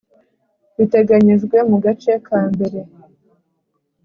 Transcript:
Biteganyijwe mu gace ka mbere